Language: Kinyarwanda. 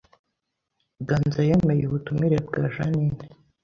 Ganza yemeye ubutumire bwa Jeaninne